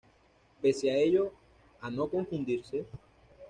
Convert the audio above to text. Pese a ello, a no confundirse.